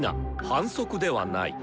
反則ではない！